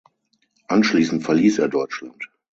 Anschließend verließ er Deutschland.